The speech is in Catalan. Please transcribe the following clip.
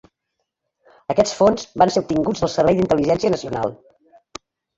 Aquests fons van ser obtinguts del Servei d'Intel·ligència Nacional.